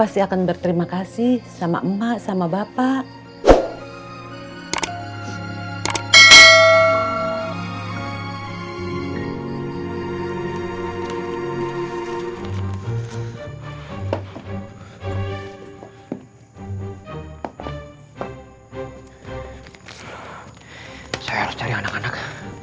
saya harus cari anak anak